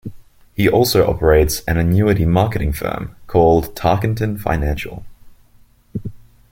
He also operates an annuity marketing firm called Tarkenton Financial.